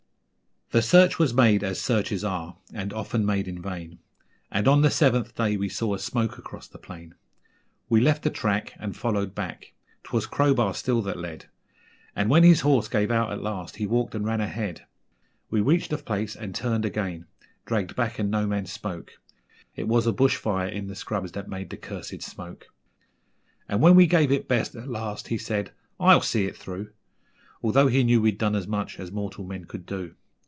The search was made as searches are (and often made in vain), And on the seventh day we saw a smoke across the plain; We left the track and followed back 'twas Crowbar still that led, And when his horse gave out at last he walked and ran ahead. We reached the place and turned again dragged back and no man spoke It was a bush fire in the scrubs that made the cursed smoke. And when we gave it best at last, he said, 'I'LL see it through,' Although he knew we'd done as much as mortal men could do.